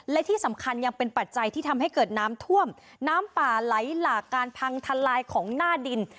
และที่สำคัญยังเป็นปัจจัยที่ทำให้เกิดน้ำท่วมน้ำป่าไหลหลากการพังทลายของหน้าดิน